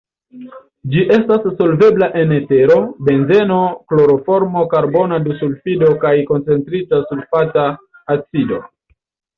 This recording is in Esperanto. Ĝi estas solvebla en etero, benzeno, kloroformo, karbona dusulfido kaj koncentrita sulfata acido.